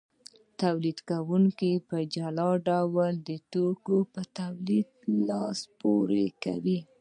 تولیدونکي په جلا ډول د توکو په تولید لاس پورې کوي